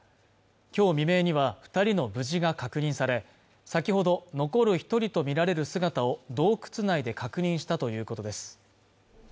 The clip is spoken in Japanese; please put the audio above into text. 今日未明には二人の無事が確認され先ほど残る一人とみられる姿を洞窟内で確認したということです